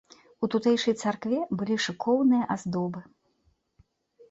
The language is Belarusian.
У тутэйшай царкве былі шыкоўныя аздобы.